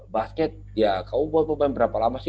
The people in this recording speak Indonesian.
basket ya kamu mau main berapa lama sih